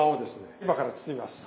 今から包みます。